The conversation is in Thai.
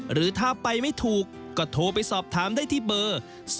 หรือถ้าไปไม่ถูกก็โทรไปสอบถามได้ที่เบอร์